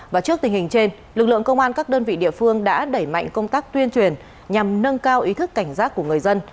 và trước tình hình trên lực lượng công an các đơn vị địa phương đã đẩy mạnh công tác tuyên truyền nhằm nâng cao ý thức cảnh giác của người dân